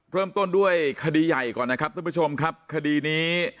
เริ่มต้นด้วยคดีใหญ่ก่อนนะครับท่านผู้ชมครับคดีนี้